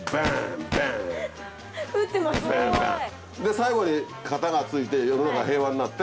最後にかたが付いて世の中平和になって。